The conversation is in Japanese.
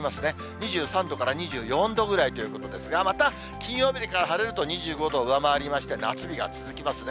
２３度から２４度ぐらいということですが、また金曜日から晴れると、２５度を上回りまして、夏日が続きますね。